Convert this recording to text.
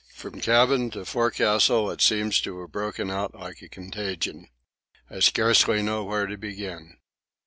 From cabin to forecastle it seems to have broken out like a contagion. I scarcely know where to begin.